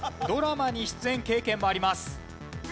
ドラマに出演経験もあります。